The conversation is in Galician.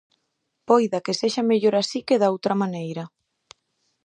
Poida que sexa mellor así que da outra maneira.